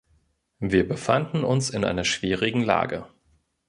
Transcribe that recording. Wir befanden uns in einer schwierigen Lage.